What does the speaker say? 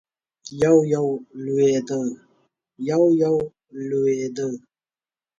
يو- يو لوېده.